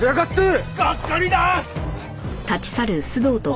がっかりだ！あっ。